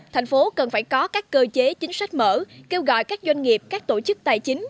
thành phố cần phải có các cơ chế chính sách mở kêu gọi các doanh nghiệp các tổ chức tài chính